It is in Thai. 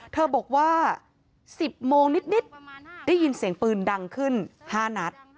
เธอบอกว่า๑๐โมงนิดได้ยินเสียงปืนดังขึ้น๕นัด